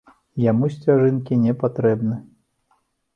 Яму сцяжынкі не патрэбны.